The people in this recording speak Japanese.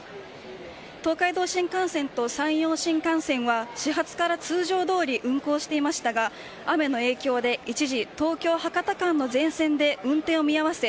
東海道新幹線と山陽新幹線は始発から通常通り運行していましたが雨の影響で一時、東京博多間の全線で運転を見合わせ